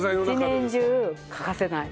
一年中欠かせない。